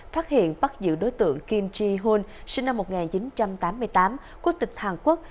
phát hiện bắt giữ đối tượng kim ji hun sinh năm một nghìn chín trăm tám mươi tám quốc tịch hàn quốc